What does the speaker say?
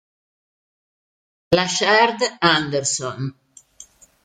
La'Shard Anderson